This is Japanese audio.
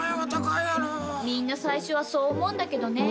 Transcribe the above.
みんな最初はそう思うんだけどね。